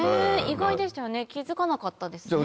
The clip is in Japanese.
意外でしたよね気付かなかったですね。